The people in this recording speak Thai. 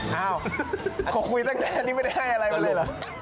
อ้าวเขาคุยตั้งแค่นี้ไม่ได้ให้อะไรมาเลยเหรอ